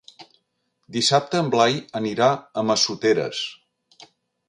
Dissabte en Blai anirà a Massoteres.